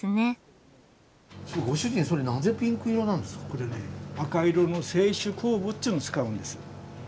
これね赤色の清酒酵母っちゅうのを使うんです